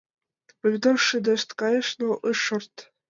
Помидор шыдешт кайыш, но ыш шорт.